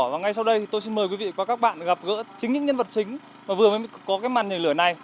và ngay sau đây thì tôi xin mời quý vị và các bạn gặp gỡ chính những nhân vật chính và vừa mới có cái màn nhảy lửa này